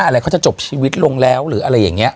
อะไรเขาจะจบชีวิตลงแล้วหรืออะไรอย่างนี้